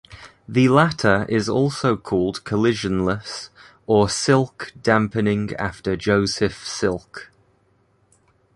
The latter is also called collisionless or "Silk" damping after Joseph Silk.